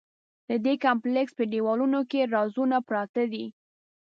د دې کمپلېکس په دیوالونو کې رازونه پراته دي.